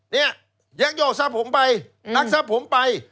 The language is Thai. เนี่ยยักยอกทรัพย์ผมไปรักทรัพย์ผมไป